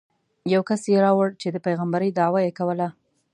یو کس یې راوړ چې د پېغمبرۍ دعوه یې کوله.